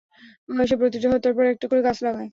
সে প্রতিটা হত্যার পর একটা করে গাছ লাগায়।